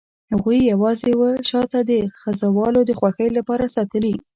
هغوی یې یوازې وه شاته د خزهوالو د خوښۍ لپاره ساتلي.